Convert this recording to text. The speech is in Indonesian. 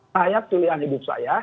saya tulian hidup saya